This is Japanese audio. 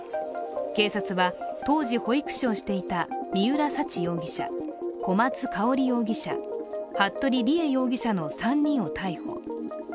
警察は当時、保育しをしていた三浦沙知容疑者小松香織容疑者、服部理江容疑者の３人を逮捕。